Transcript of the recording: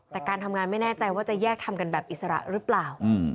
แต่การทำงานไม่แน่ใจว่าจะแยกทำกันแบบอิสระหรือเปล่า